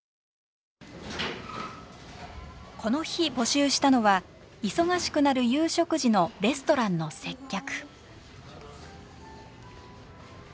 この日募集したのは忙しくなる夕食時のレストランの接客。